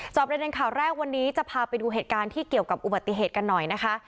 ประเด็นข่าวแรกวันนี้จะพาไปดูเหตุการณ์ที่เกี่ยวกับอุบัติเหตุกันหน่อยนะคะ